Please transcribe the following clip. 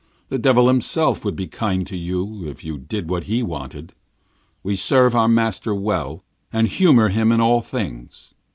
The Devil himself would be kind to you, if you did what he wanted. We serve our master well, and humour him in all things.